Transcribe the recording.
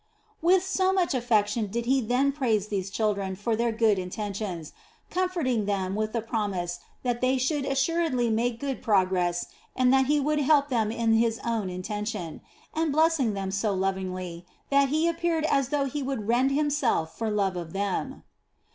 With so much affection did he then praise these chil dren for their good intentions, comforting them with the promise that they should assuredly make good pro gress and that he would help them in his own inten tion, and blessing them so lovingly that he appeared as though he would rend himself for love of them.